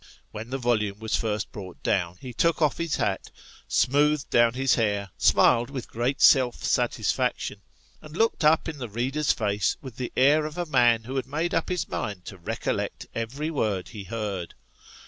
When the volume was first brought down, he took off his hat, smoothed down his hair, smiled with great self satisfaction, and looked up in the reader's face with the air of a man who had made up his mind to recollect every word he heard.